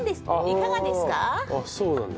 いかがですか？